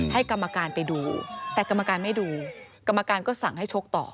กรรมการไปดูแต่กรรมการไม่ดูกรรมการก็สั่งให้ชกต่อ